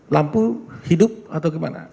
lampu hidup atau gimana